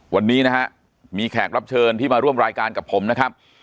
วันนี้นะฮะมีแขกรับเชิญที่มาร่วมรายการกับผมนะครับ